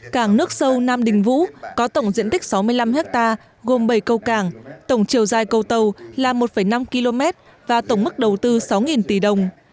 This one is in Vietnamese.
cảng nước sâu nam đình vũ có tổng diện tích sáu mươi năm hectare gồm bảy câu cảng tổng chiều dài câu tàu là một năm km và tổng mức đầu tư sáu tỷ đồng